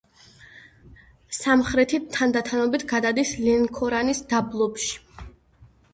სამხრეთით თანდათანობით გადადის ლენქორანის დაბლობში.